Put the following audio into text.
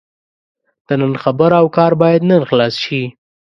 د نن خبره او کار باید نن خلاص شي.